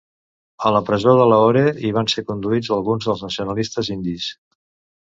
A la presó de Lahore hi van ser conduïts alguns dels nacionalistes indis.